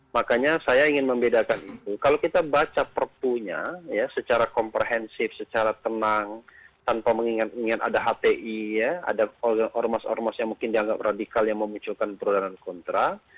makanya saya ingin membedakan itu kalau kita baca perpunya secara komprehensif secara tenang tanpa mengingat ingat ada hti ada or mas or mas yang mungkin dianggap radikal yang memunculkan perudanan kontra